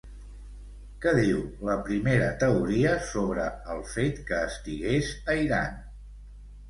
Què diu la primera teoria sobre el fet que estigués a Iran?